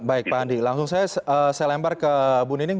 baik pak andi langsung saya lempar ke bu nining